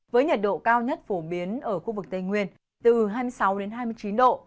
với nhiệt độ cao nhất phổ biến ở khu vực tây nguyên từ hai mươi sáu đến hai mươi chín độ